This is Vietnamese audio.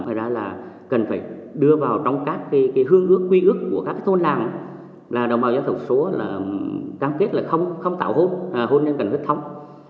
thay ra là cần phải đưa vào trong các hương ước quy ước của các thôn làng là đồng bào dân tộc số là cam kết là không tàu hôn hôn nhân cận huyết thống